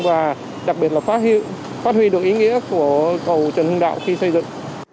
và đặc biệt là phát huy được ý nghĩa của cầu trấn hương đạo khi xây dựng